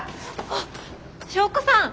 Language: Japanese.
あっ祥子さん。